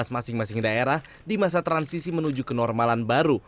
masing masing daerah di masa transisi menuju kenormalan baru